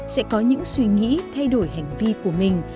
sẽ có những suy nghĩ thay đổi hành vi của mình